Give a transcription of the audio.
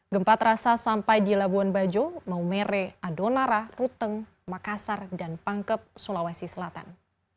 gempa terasa sampai di labuan bajo maumere adonara ruteng makassar dan pangkep sulawesi selatan